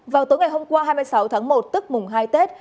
vào tối ngày hôm qua hai mươi sáu tháng một tức mùng hai tết